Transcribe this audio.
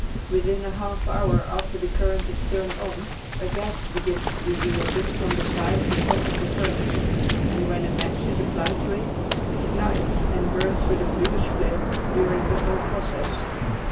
Within a half hour after the current is turned on a gas begins to be emitted from the sides and top of the furnace, and when a match is applied to it, it lights and burns with a bluish flame during the whole process.